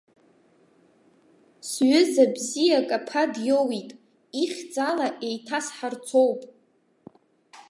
Сҩыза бзиак аԥа диоуит, ихьӡала еиҭасҳарцоуп.